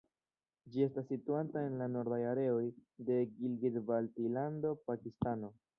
Ĝi estas situanta en la Nordaj Areoj de Gilgit-Baltilando, Pakistano.